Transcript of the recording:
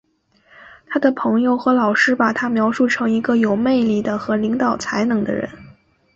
他的朋友和老师把他描述成一个有魅力的和领导才能的人。